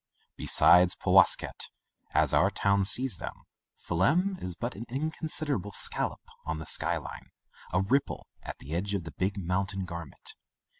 Beside Powasket, as our town sees them, Phelim is but an inconsiderable scal lop on the sky line, a ripple at the edge of the big mountain's garment.